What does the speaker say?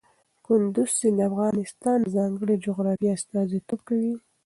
کندز سیند د افغانستان د ځانګړي جغرافیه استازیتوب کوي.